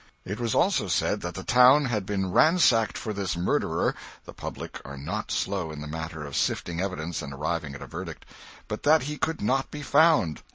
It was also said that the town had been ransacked for this "murderer" (the public are not slow in the matter of sifting evidence and arriving at a verdict), but that he could not be found.